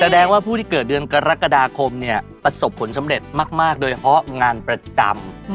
แสดงว่าผู้ที่เกิดเดือนกรกฎาคมเนี่ยประสบผลสำเร็จมากโดยเฉพาะงานประจำ